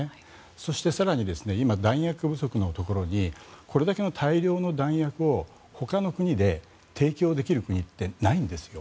そして、更に今弾薬不足のところにこれだけの大量の弾薬をほかの国で提供できる国ってないんですよ。